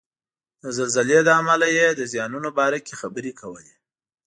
د زلزلې له امله یې د زیانونو باره کې خبرې کولې.